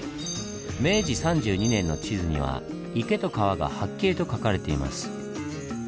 明治３２年の地図には池と川がはっきりと描かれています。